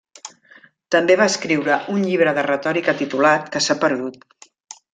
També va escriure un llibre de retòrica titulat que s'ha perdut.